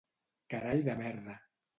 Carall de merda.